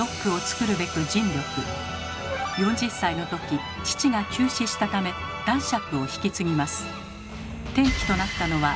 ４０歳のとき父が急死したため男爵を引き継ぎます。